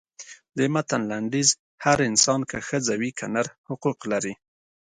د متن لنډیز هر انسان که ښځه وي که نر حقوق لري.